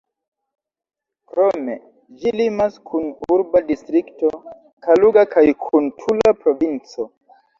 Krome, ĝi limas kun urba distrikto Kaluga kaj kun Tula provinco.